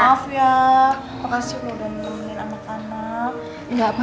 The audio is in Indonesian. maaf ya makasih udah nyemil anak anak